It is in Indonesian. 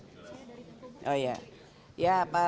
saya dari pekulungan